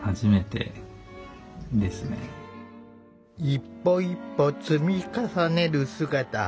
一歩一歩積み重ねる姿。